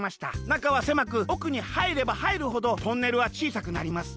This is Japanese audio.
なかはせまくおくにはいればはいるほどトンネルはちいさくなります。